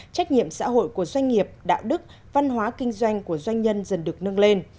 trách nhiệm xã hội của doanh nghiệp đạo đức văn hóa kinh doanh của doanh nhân dần được nâng lên